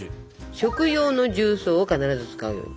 食用の重曹を必ず使うように。